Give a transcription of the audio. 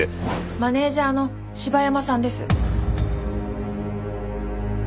マネジャーの柴山さんです。